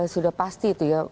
sudah pasti itu ya